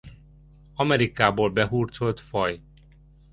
Amerikából behurcolt faj.